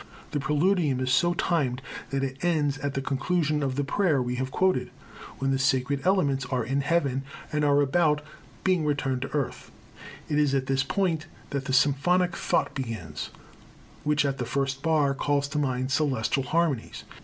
The Preludium is so timed that it ends at the conclusion of the prayer we have quoted, when the sacred elements are in heaven and are about being returned to earth. It is at this point that the symphonic thought begins, which at the first bar calls to mind celestial harmonies.